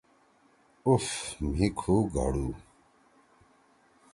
اُف مھی کُھو گھڑُو۔